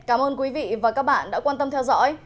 cảm ơn quý vị và các bạn đã quan tâm theo dõi